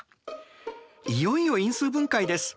いよいよ因数分解です。